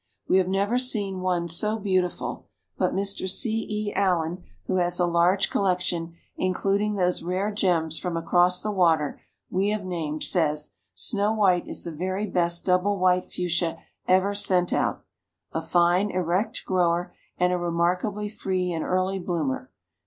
We have never seen one so beautiful, but Mr. C. E. Allen who has a large collection, including those rare gems from across the water, we have named, says: "Snow White is the very best double white Fuchsia ever sent out. A fine, erect grower, and a remarkably free and early bloomer.